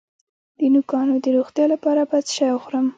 د نوکانو د روغتیا لپاره باید څه شی وخورم؟